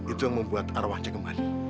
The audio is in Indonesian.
itu yang membuat arwahnya kembali